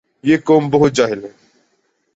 یہ قوم بہت جاہل ھے